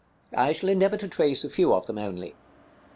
I shall endeavor to trace a few of them only.